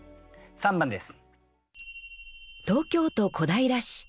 ３番です。